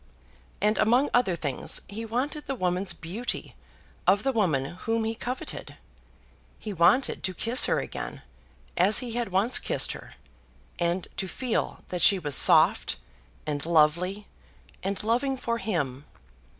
And among other things, he wanted the woman's beauty of the woman whom he coveted. He wanted to kiss her again as he had once kissed her, and to feel that she was soft, and lovely, and loving for him.